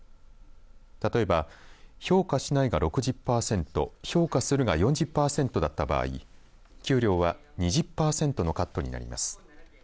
例えば評価しないが６０パーセント評価するが４０パーセントだった場合給料は２０パーセントのカットになります。